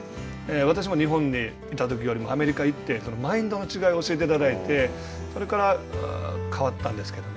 私も日本にいたときよりもアメリカに行ってマインドの違いを教えていただいて、それから変わったんですけどね。